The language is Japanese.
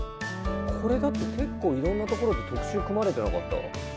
これだって結構いろんなところで特集組まれてなかった？